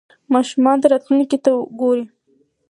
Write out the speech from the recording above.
ماشومان راتلونکې ته ګوري.